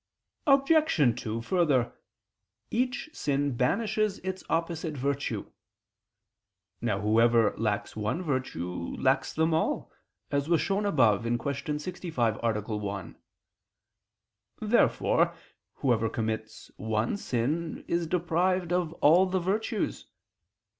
Obj. 2: Further, each sin banishes its opposite virtue. Now whoever lacks one virtue lacks them all, as was shown above (Q. 65, A. 1). Therefore whoever commits one sin, is deprived of all the virtues.